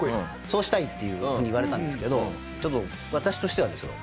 そうしたいっていうふうに言われたんですけど私としてはですよ